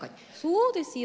そうですよ。